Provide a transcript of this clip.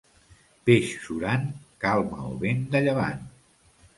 Peix surant: calma o vent de llevant.